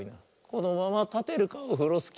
「このままたてるかオフロスキー」